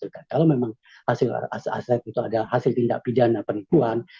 kalau memang aset itu adalah hasil tindak pidana penipuan